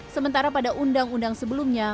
sementara pada undang undang sebelumnya